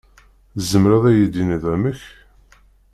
Tzemreḍ ad yi-d-tiniḍ amek?